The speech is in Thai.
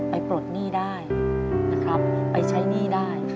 ปลดหนี้ได้นะครับไปใช้หนี้ได้